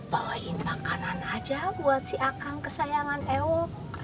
bawain makanan aja buat si akang kesayangan ewo